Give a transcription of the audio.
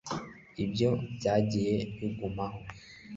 ibyo byagiye bigumaho